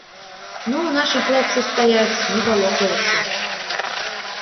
Ну, нашы хлопцы стаяць, не палохаюцца.